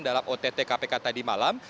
dalam ott kpk tadi malam